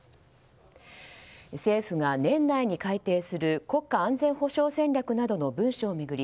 政府が年内に改定する国家安全保障戦略の文書を巡り